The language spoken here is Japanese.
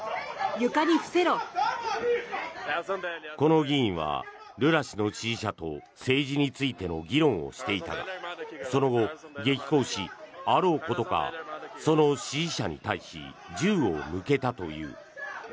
この議員はルラ氏の支持者と政治についての議論をしていたがその後、激高しあろうことか、その支持者に対し銃を向けたという。